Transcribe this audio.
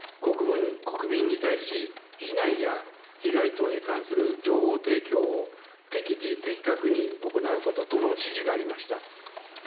国民に対し、避難や被害等に関する情報提供を適時的確に行うこととの指示がありました。